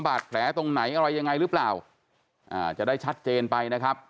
บาดแผลตรงไหนอะไรยังไงหรือเปล่าอ่าจะได้ชัดเจนไปนะครับ